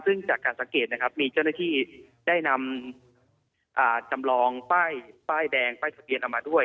ซึ่งจากการสังเกตนะครับมีเจ้าหน้าที่ได้นำจำลองป้ายแดงป้ายทะเบียนเอามาด้วย